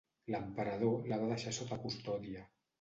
L'emperador la va deixar sota custòdia.